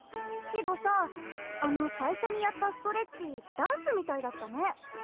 けどさぁあの最初にやったストレッチダンスみたいだったね。